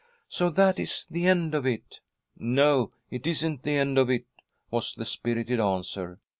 "So that is the end of it." "No, it isn't the end of it," was the spirited answer.